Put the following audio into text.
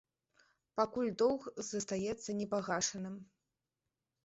Пакуль доўг застаецца непагашаным.